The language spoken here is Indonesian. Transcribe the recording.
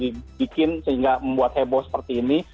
dibikin sehingga membuat heboh seperti ini